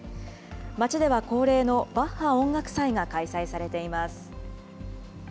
街では恒例のバッハ音楽祭が開催されています。